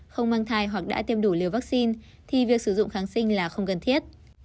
không mang thai hoặc đã tiêm đủ liều vaccine thì việc sử dụng kháng sinh là không cần thiết